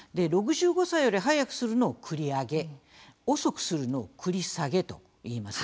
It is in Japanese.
６５歳より早くするのを繰り上げ遅くするのを繰り下げといいます。